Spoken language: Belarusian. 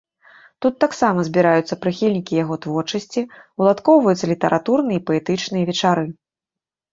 Тут таксама збіраюцца прыхільнікі яго творчасці, уладкоўваюцца літаратурныя і паэтычныя вечары.